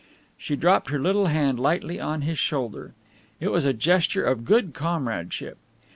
She dropped her little hand lightly on his shoulder. It was a gesture of good comradeship.